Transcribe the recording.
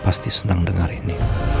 pasti senang dengar ini